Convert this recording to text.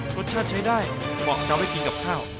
รสชาติใช้ได้บอกจำไว้กินกับข้าว